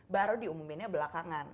baru diumuminnya belakangan